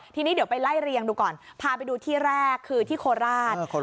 ทีนี้เดี๋ยวไปไล่เรียงดูก่อนพาไปดูที่แรกคือที่โคราช